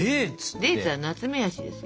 デーツはナツメヤシですよ。